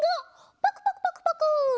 パクパクパクパク！